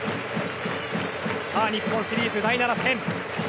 さあ、日本シリーズ第７戦。